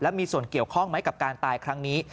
มีส่วนเกี่ยวข้องไหมกับการตายครั้งนี้